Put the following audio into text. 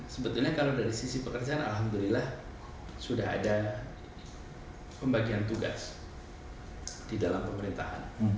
sebetulnya kalau dari sisi pekerjaan alhamdulillah sudah ada pembagian tugas di dalam pemerintahan